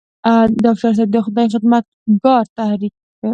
ډاکټر صېب د خدائ خدمتګار تحريک